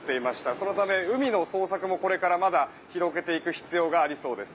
そのため海の捜索もこれからまだ広げていく必要がありそうです。